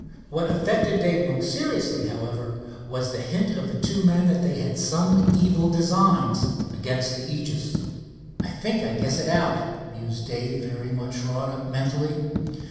What affected Dave most seriously, however, was the hint of the two men that they had some evil designs against the Aegis. "I think I guess it out," mused Dave, very much wrought up mentally.